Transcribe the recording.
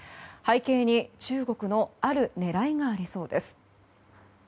背景に中国のある狙いがありそうです。